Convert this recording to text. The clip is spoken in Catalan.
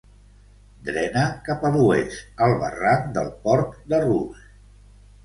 Drena cap a l'oest, al Barranc del Port de Rus.